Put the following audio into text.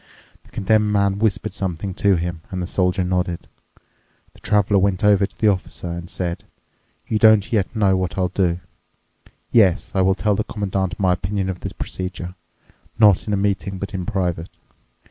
The Condemned Man whispered something to him, and the Soldier nodded. The Traveler went over to the Officer and said, "You don't yet know what I'll do. Yes, I will tell the Commandant my opinion of the procedure—not in a meeting, but in private.